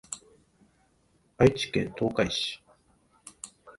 愛知県東海市